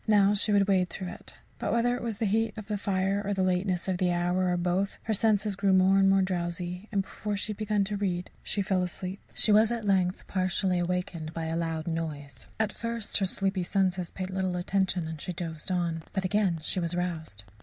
Now she would wade through it. But whether it was the heat of the fire, or the lateness of the hour, or both, her senses grew more and more drowsy, and before she had begun to read, she fell asleep. She was, at length, partially awakened by a loud noise. At first her sleepy senses paid little attention and she dozed on. But again she was roused.